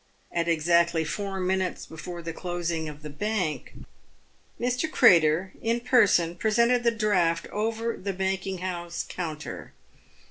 At exactly four minutes before the closing of the bank, Mr. Crater in person pre sented the draft over the banking house counter.